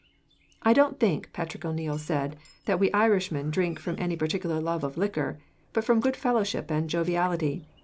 "I don't think," Patrick O'Neil said, "that we Irishmen drink from any particular love of liquor, but from good fellowship and joviality.